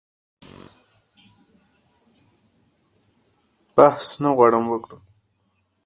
بحث نه غواړم وکړم.